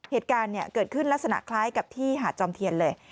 เหตุการณ์เกิดขึ้นลักษณะคล้ายกับที่หาดจอมเทียนเลย